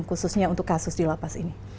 khususnya untuk kasus di lapas ini